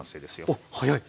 おっ早い！